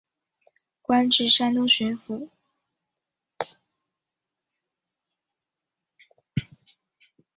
官至山东巡抚。